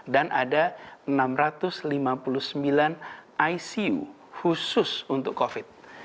dan ada enam ratus lima puluh sembilan icu khusus untuk covid